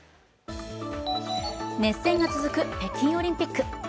熱戦が続く北京オリンピック。